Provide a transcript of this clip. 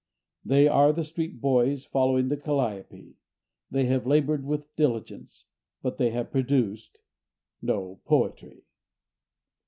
They are the street boys following the calliope. They have labored with diligence, but they have produced no poetry....